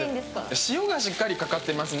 塩がしっかりかかってますね。